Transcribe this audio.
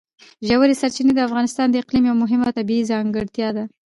ژورې سرچینې د افغانستان د اقلیم یوه مهمه طبیعي ځانګړتیا ده.